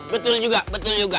betul juga betul juga